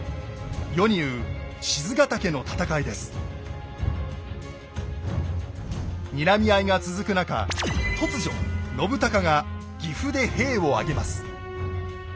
世に言うにらみ合いが続く中突如信孝が岐阜で兵を挙げます。